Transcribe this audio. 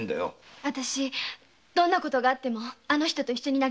あたしどんなことがあってもあの人と一緒に。